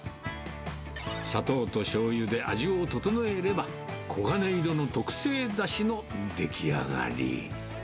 砂糖としょうゆで味を調えれば、黄金色の特製だしの出来上がり。